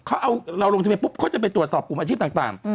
เขาเอาเราลงทะเบียปุ๊บเขาจะไปตรวจสอบกลุ่มอาชีพต่าง